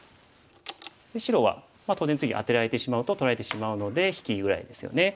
白は当然次アテられてしまうと取られてしまうので引きぐらいですよね。